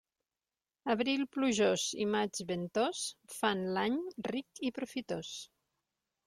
Abril plujós i maig ventós fan l'any ric i profitós.